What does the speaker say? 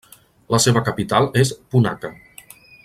La seva capital és Punakha.